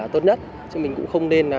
tôi làm gì bạn gái ông hả